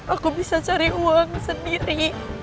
aku bisa cari uang sendiri